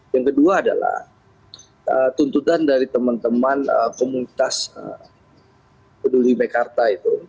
yang kedua adalah tuntutan dari teman teman komunitas peduli mekarta itu